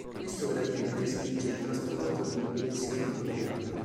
Questo gradiente spinge il trasporto nella direzione appropriata.